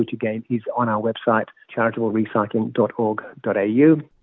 yang lagi ada di website charitablerecycling org au